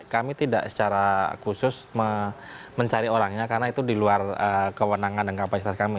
kami tidak secara khusus mencari orangnya karena itu di luar kewenangan dan kapasitas kami